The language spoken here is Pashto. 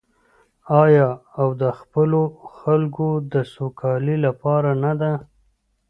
آیا او د خپلو خلکو د سوکالۍ لپاره نه ده؟